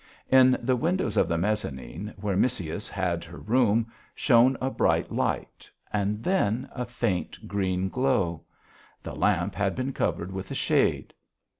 In the windows of the mezzanine, where Missyuss had her room, shone a bright light, and then a faint green glow. The lamp had been covered with a shade.